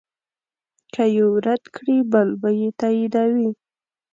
که یو رد کړې بل به یې تاییدوي.